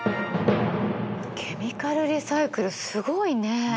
ケミカルリサイクルすごいね。